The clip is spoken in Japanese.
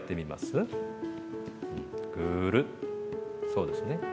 そうですね。